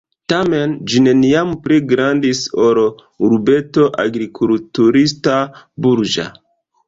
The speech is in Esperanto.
Tamen ĝi neniam pli grandis ol urbeto agrikulturista-burĝa.